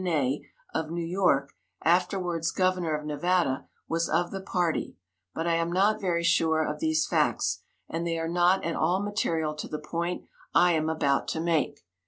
Ney of New York, afterwards governor of Nevada, was of the party; but I am not very sure of these facts, and they are not at all material to the point I am about to make.